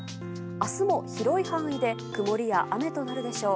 明日も広い範囲で曇りや雨となるでしょう。